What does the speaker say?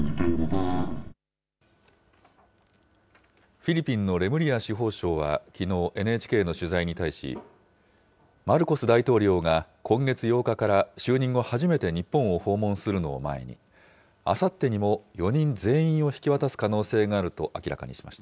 フィリピンのレムリア司法相はきのう、ＮＨＫの取材に対し、マルコス大統領が今月８日から就任後初めて日本を訪問するのを前に、あさってにも４人全員を引き渡す可能性があると明らかにしました。